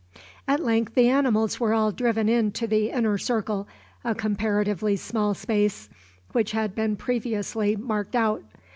At length the animals were all driven in to the inner circle, a comparatively small space, which had been previously marked out.